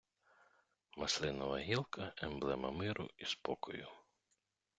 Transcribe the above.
Маслинова гілка — емблема миру і спокою